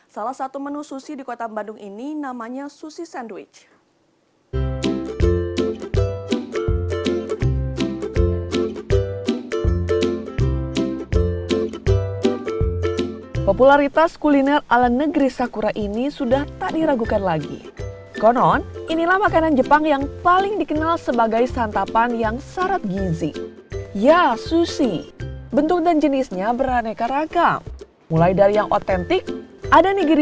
salah satu menu sushi di kota bandung ini namanya sushi sandwich